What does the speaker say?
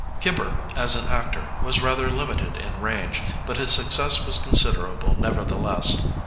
Gibber, as an actor, was rather limited in range, but his success was considerable, neverthe less.